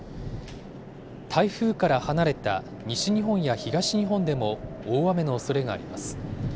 台風から離れた西日本や東日本でも、大雨のおそれがあります。